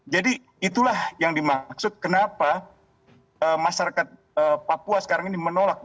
jadi itulah yang dimaksud kenapa masyarakat papua sekarang ini menolak